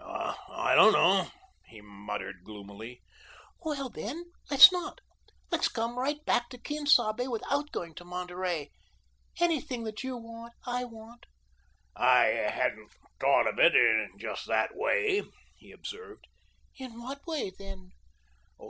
"I don't know," he muttered gloomily. "Well, then, let's not. Let's come right back to Quien Sabe without going to Monterey. Anything that you want I want." "I hadn't thought of it in just that way," he observed. "In what way, then?"